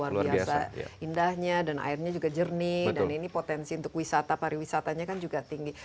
sayang sekali karena disini lantainya luar biasa indahnya dan airnya juga jernih dan ini potensi untuk wisata pariwisatanya juga tinggi